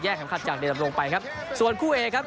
เอาชนะไปได้ครับแบบ